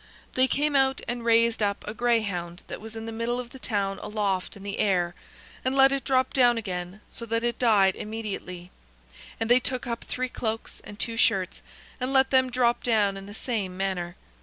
They came out and raised up a greyhound that was in the middle of the town aloft in the air, and let it drop down again, so that it died immediately; and they took up three cloaks and two shirts, and let them drop down in the same manner.